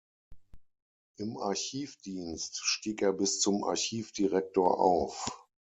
Im Archivdienst stieg er bis zum Archivdirektor auf.